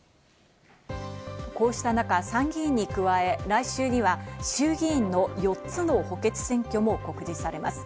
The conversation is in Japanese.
こうした中、参議院に加え、来週には衆議院の４つの補欠選挙も告示されます。